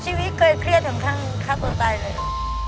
ชีวิตเคยเครียดถึงขั้นฆ่าคนตายเลย